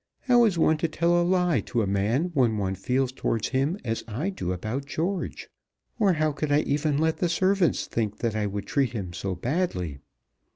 How is one to tell a lie to a man when one feels towards him as I do about George? Or how could I even let the servants think that I would treat him so badly?